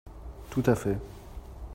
Tout à fait